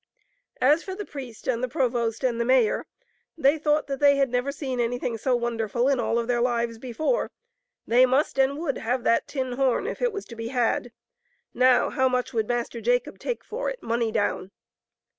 As for the priest and the provost and the mayor, they thought that they had never seen anything so wonderful in all of their lives before. They must and would have that tin horn if it was to be had ; now, how much would Master Jacob take for it, money down